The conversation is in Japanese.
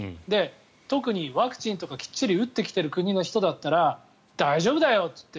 特にワクチンとかきっちり打ってきている国の人だったら大丈夫だよって言って。